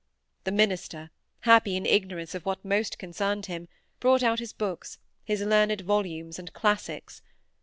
The minister, happy in ignorance of what most concerned him, brought out his books; his learned volumes and classics.